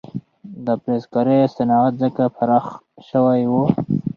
د فلزکارۍ صنعت ځکه پراخ شوی و.